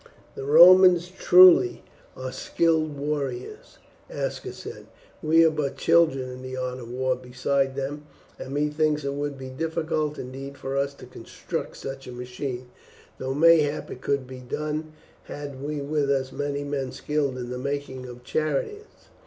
"The Romans truly are skilled warriors," Aska said. "We are but children in the art of war beside them, and methinks it would be difficult indeed for us to construct such a machine, though mayhap it could be done had we with us many men skilled in the making of chariots.